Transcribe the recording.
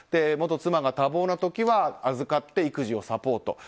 元妻が多忙な時は預かって育児をサポート。